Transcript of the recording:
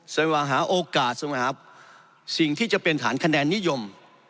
ซัพว่าหาโอกาสของครับสิ่งที่จะเป็นฐานคะแนนนิยม